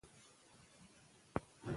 دریابونه د افغانستان د اقلیم ځانګړتیا ده.